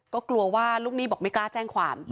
ก็กลัวว่าลูกหนี้บอกไม่กล้าแจ้งความ